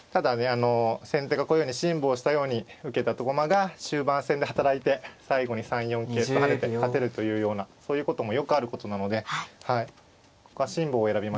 あの先手がこういうように辛抱したように受けた駒が終盤戦で働いて最後に３四桂と跳ねて勝てるというようなそういうこともよくあることなのでここは辛抱を選びましたね。